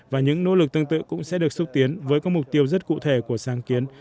và những nỗ lực tương tự cũng sẽ được xúc tiến với các mục tiêu rất cụ thể của sáng kiến